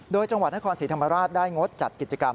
โดยจังหวัดนครศรีธรรมราชได้งดจัดกิจกรรม